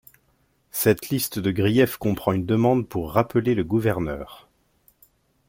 Cette liste de griefs comprend une demande pour rappeler le gouverneur.